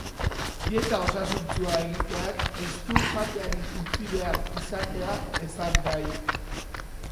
Dieta osasuntsua egiteak ez du jateari utzi behar izatea esan nahi.